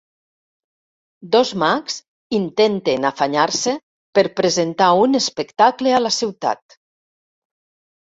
Dos mags intenten afanyar-se per presentar un espectacle a la ciutat.